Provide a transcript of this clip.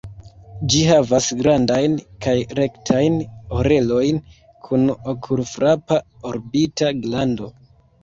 Ĝi havas grandajn kaj rektajn orelojn, kun okulfrapa orbita glando.